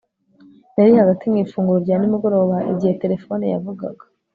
nari hagati mu ifunguro rya nimugoroba igihe terefone yavugaga